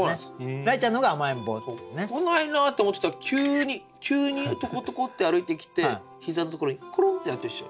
「来ないな」って思ってたら急にトコトコって歩いてきて膝のところにコロンってやってるでしょ。